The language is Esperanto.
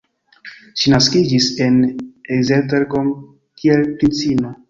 Ŝi naskiĝis en Esztergom, kiel princino.